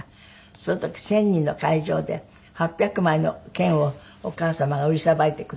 その時１０００人の会場で８００枚の券をお母様が売りさばいてくださった。